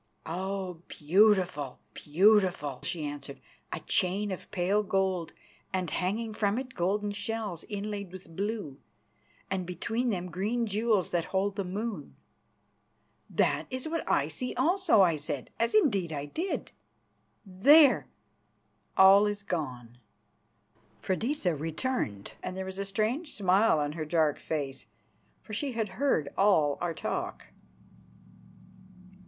"Oh, beautiful, beautiful!" she answered. "A chain of pale gold, and hanging from it golden shells inlaid with blue, and between them green jewels that hold the moon." "That is what I see also," I said, as indeed I did. "There! All is gone." Freydisa returned and there was a strange smile on her dark face, for she had heard all our talk.